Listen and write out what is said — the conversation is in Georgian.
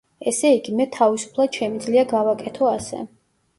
ესე იგი, მე თავისუფლად შემიძლია გავაკეთო ასე.